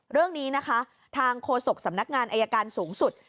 เรื่องนี้นะคะทางโฆษกสำนักงานอายการสูงสุด